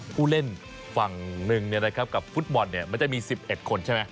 ผู้เล่นฝั่งหนึ่งกับฟุตบอลมันจะมี๑๑คนใช่ไหม